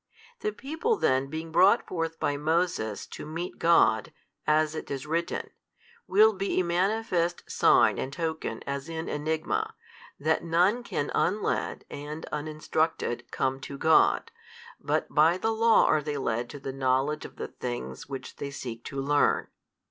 The people then being brought forth by Moses to meet God, as it is written, will be a manifest sign and token as in enigma, that none can unled and uninstructed come to God, but by the law are they led to the |298 knowledge of the things which they seek to learn.